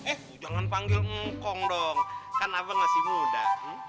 eh jangan panggil mengkong dong kan abang masih muda